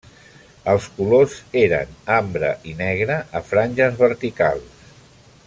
Els colors eren ambre i negre a franges verticals.